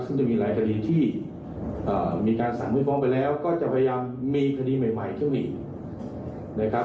ซึ่งจะมีหลายคดีที่มีการสั่งไม่ฟ้องไปแล้วก็จะพยายามมีคดีใหม่ขึ้นมาอีกนะครับ